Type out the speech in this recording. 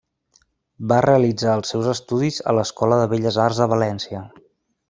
Va realitzar els seus estudis a l'Escola de Belles Arts de València.